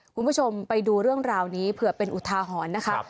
คุณผู้ชมไปดูเรื่องราวนี้เผื่อเป็นอุทาหรณ์นะคะ